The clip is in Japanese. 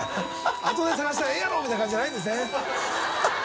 「あとで探したらええやろ」みたいな感じじゃないんですね。